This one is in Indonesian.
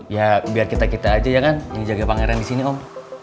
ya biar kita kita aja ya kan yang jaga pangeran di sini om